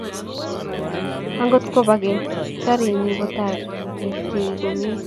akot ngo bo keny garinyu ko ta keketei komie